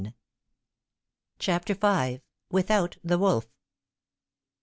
39 CHAPTER V. WITHOUT THE WOLF.